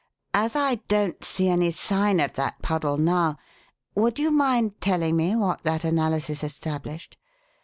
As I don't see any sign of that puddle now, would you mind telling me what that analysis established.